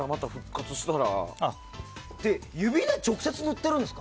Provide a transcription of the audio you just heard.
指で直接塗ってるんですか？